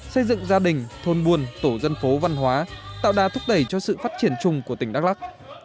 xây dựng gia đình thôn buôn tổ dân phố văn hóa tạo đà thúc đẩy cho sự phát triển chung của tỉnh đắk lắc